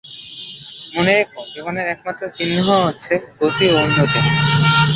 মনে রেখো, জীবনের একমাত্র চিহ্ন হচ্ছে গতি ও উন্নতি।